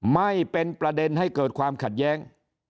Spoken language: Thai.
ไม่เป็นประเด็นให้เกิดความขัดแย้ง